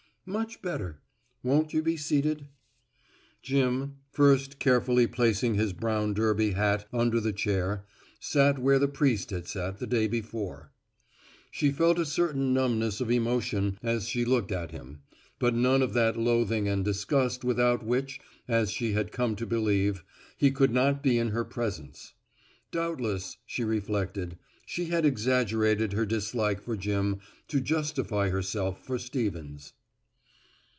"Much better won't you be seated?" Jim, first carefully placing his brown derby hat under the chair, sat where the priest had been the day before. She felt a certain numbness of emotion as she looked at him, but none of that loathing and disgust without which, as she had come to believe, he could not be in her presence. Doubtless, she reflected, she had exaggerated her dislike for Jim, to justify herself for Stevens.